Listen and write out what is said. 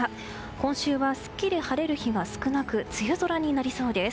今週はすっきり晴れる日が少なく梅雨空になりそうです。